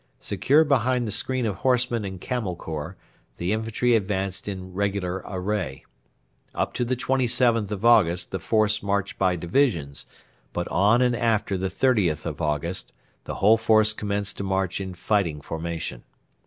Secure behind the screen of horsemen and Camel Corps, the infantry advanced in regular array. Up to the 27th of August the force marched by divisions; but on and after the 30th of August the whole force commenced to march in fighting formation.